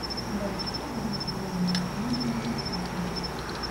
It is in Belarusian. Байцы былі ўзброеныя ў асноўным вінтоўкамі.